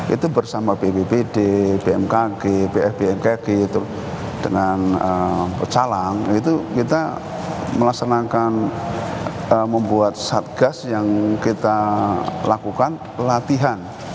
itu bersama bpbd bmkg bf bmkg dengan pecalang itu kita melaksanakan membuat satgas yang kita lakukan latihan